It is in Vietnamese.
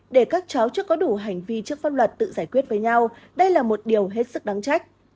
để các cháu chưa có đủ hành vi trước pháp luật tự giải quyết với nhau đây là một điều hết sức đáng trách